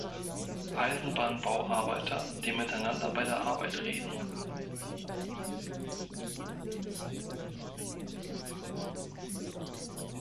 Eisenbahnbauarbeiter, die miteinander bei der Arbeit reden.